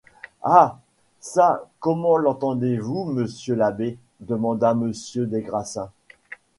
Ha! çà, comment l’entendez-vous, monsieur l’abbé? demanda monsieur des Grassins.